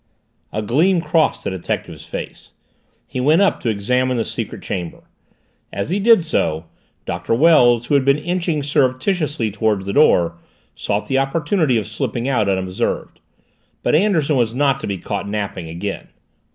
A gleam crossed the detective's face. He went up to examine the secret chamber. As he did so, Doctor Wells, who had been inching surreptitiously toward the door, sought the opportunity of slipping out unobserved. But Anderson was not to be caught napping again.